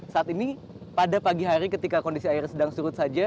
saat ini pada pagi hari ketika kondisi air sedang surut saja